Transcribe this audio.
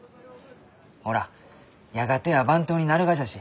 ほらやがては番頭になるがじゃし。